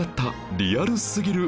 リアルすぎ。